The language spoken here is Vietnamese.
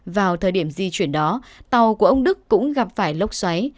vào thời điểm di chuyển đó tàu của ông đức cũng gặp phải lốc xoáy